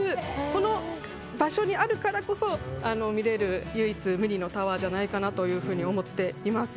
この場所にあるからこそ見れる唯一無二のタワーじゃないかなと思っています。